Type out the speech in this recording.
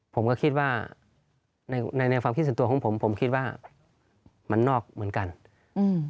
ผมก็คิดว่าในในความคิดส่วนตัวของผมผมคิดว่ามันนอกเหมือนกันอืม